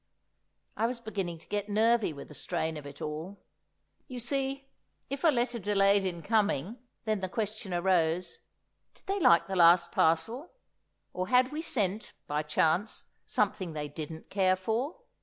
I was beginning to get nervy with the strain of it all. You see, if a letter delayed in coming, then the question arose: Did they like the last parcel? or, had we sent, by chance, something they didn't care for?